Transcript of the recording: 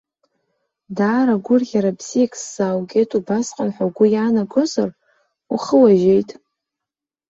Даара гәырӷьара бзиак сзааугеит убасҟан ҳәа угәы иаанагозар, ухы ужьеит.